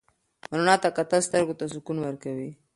رڼا ته کتل سترګو ته سکون ورکوي.